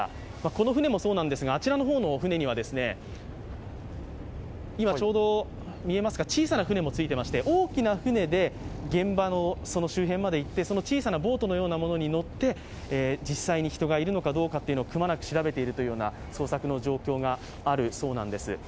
この船もそうなんですが、あちらの方の船には、小さな船もついていまして大きな船で現場の周辺まで行ってその小さなボートのようなものに乗って、実際に人がいるのかどうかをくまなく調べているという捜索の状況があるそうなんです。